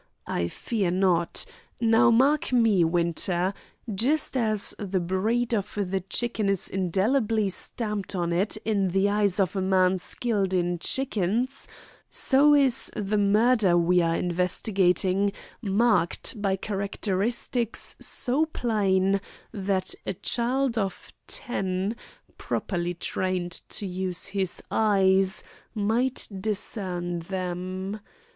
I fear not. Now mark me, Winter. Just as the breed of the chicken is indelibly stamped on it in the eyes of a man skilled in chickens, so is the murder we are investigating marked by characteristics so plain that a child of ten, properly trained to use his eyes, might discern them.